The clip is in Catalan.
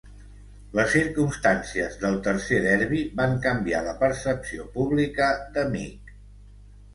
Les circumstàncies del tercer derbi van canviar la percepció pública de Mick.